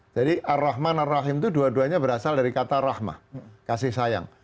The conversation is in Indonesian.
jadi ar rahman ar rahim itu dua duanya berasal dari kata rahmah kasih sayang